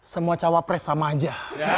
semua cawapres sama aja